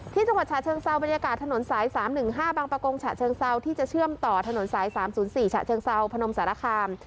ที่จังหวัดฉะเชิงเซาบรรยากาศถนนสายสามหนึ่งห้าบางประกงฉะเชิงเซาที่จะเชื่อมต่อถนนสายสามศูนย์สี่ฉะเชิงเซาพนมสารคาม